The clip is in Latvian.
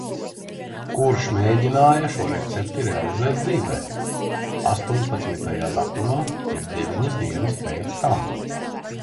Kurš mēģināja šo recepti realizēt dzīvē. Astoņpadsmitajā datumā, jeb deviņas dienas pēc tam.